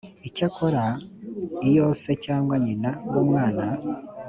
icyakora iyo se cyangwa nyina w umwana